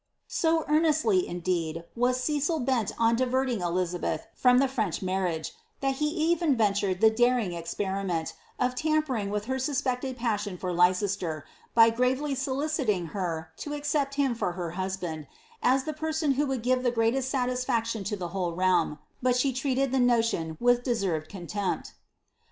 So earnestly, indeed, was Cecil bent on diverting Elizabeth from the French marriage, that he even ventured the daring experiment of tampering with her suspected passion for Leicester, by gravely soliciting her to accept him for her husband, as t)ie person who would give the greatest satisfaction to the whole realm, but she treated the notion with deserved contempt.